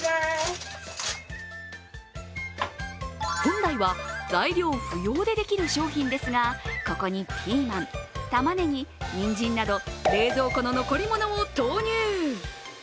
本来は材料不要でできる商品ですがここにピーマン、たまねぎ、にんじんなど、冷蔵庫の残り物を投入。